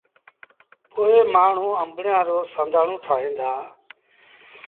پو مآڻهوٚٚݩ آݩبڙيآݩ رو سآݩڌآڻو ٺاهيݩ دآ۔